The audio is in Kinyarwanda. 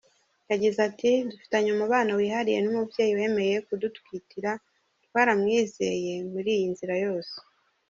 Yagize ati "Dufitanye umubano wihariye n’umubyeyi wemeye kudutwitira, twaramwizeye muri iyi nzira yose.